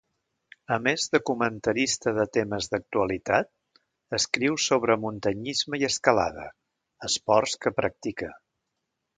A més de comentarista de temes d'actualitat, escriu sobre muntanyisme i escalada, esports que practica.